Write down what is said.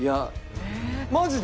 マジで。